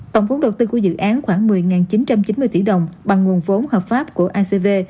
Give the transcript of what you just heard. tổng vốn đầu tư của dự án khoảng một mươi chín trăm chín mươi tỷ đồng bằng nguồn vốn hợp pháp của acv